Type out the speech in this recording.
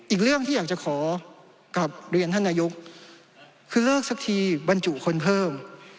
อีกเรื่องที่อยากจะขอกลับเรียนท่านนายกคือเลิกสักทีบรรจุคนเพิ่ม